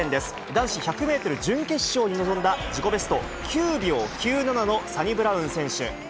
男子１００メートル準決勝に臨んだ、自己ベスト９秒９７のサニブラウン選手。